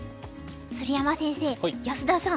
鶴山先生安田さん